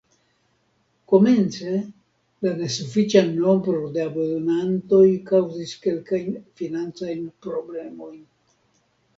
Komence la nesufiĉa nombro de abonantoj kaŭzis kelkajn financajn problemojn.